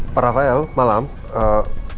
pak raffael malam ee